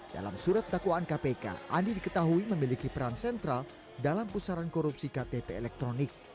dalam surat dakwaan kpk andi diketahui memiliki peran sentral dalam pusaran korupsi ktp elektronik